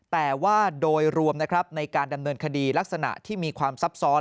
แต่ว่าโดยรวมนะครับในการดำเนินคดีลักษณะที่มีความซับซ้อน